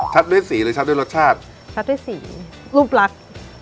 ด้วยสีเลยชัดด้วยรสชาติชัดด้วยสีรูปลักษณ์